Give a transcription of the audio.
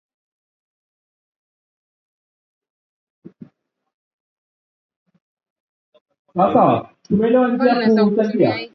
Hata baada ya Rais Uhuru Kenyatta kusaini bajeti ya nyongeza kwa malipo ya shilingi bilioni thelathini na nne za Kenya kwa Mfuko wa Kodi ya Maendeleo ya Petroli